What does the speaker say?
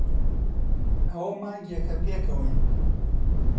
ئەوە مانگێکە پێکەوەین.